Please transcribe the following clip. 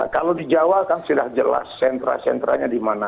kalau di jawa kan sudah jelas sentra sentranya di mana